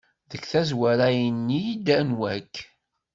Deg tazwara ini-d anwa-k!